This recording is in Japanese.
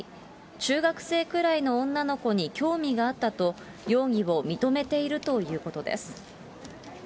中学生くらいの女の子に興味があったと、容疑を認めているということです。